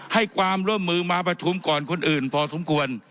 ให้ความร่วมมือมาประชุมก่อนคนอื่นพอสมควร